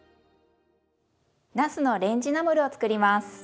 なすのレンジナムルを作ります。